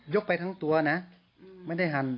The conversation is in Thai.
กไปทั้งตัวนะไม่ได้หั่น